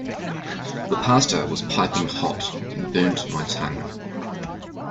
The pasta was piping hot and burnt my tongue.